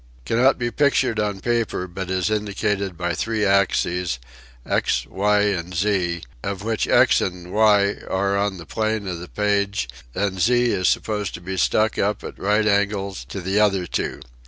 Cannot be pictured on paper, but is indicated by three axes, X, y, and z, of which x and y are on the plane of the page and z is supposed to be stuck up at right angles to the other two.